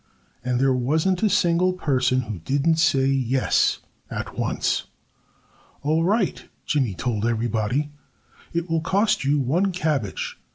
And there wasn't a single person who didn't say "Yes!" at once. "All right!" Jimmy told everybody. "It will cost you one cabbage....